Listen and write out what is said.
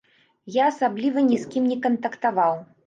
Я асабліва ні з кім не кантактаваў.